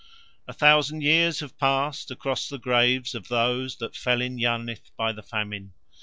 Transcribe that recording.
A thousand years have passed across the graves of those that fell in Yarnith by the Famine.